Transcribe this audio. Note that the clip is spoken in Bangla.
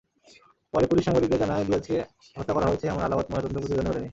পরে পুলিশ সাংবাদিকদের জানায়, দিয়াজকে হত্যা করা হয়েছে, এমন আলামত ময়নাতদন্ত প্রতিবেদনে মেলেনি।